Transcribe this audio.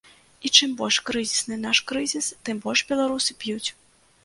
І чым больш крызісны наш крызіс, тым больш беларусы п'юць.